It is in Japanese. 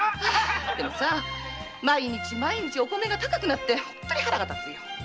でもさ毎日毎日お米が高くなってほんとに腹が立つよ。